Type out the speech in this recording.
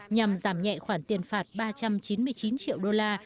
nhằm giảm nhẹ khoản tiền phạt ba trăm chín mươi chín triệu đô la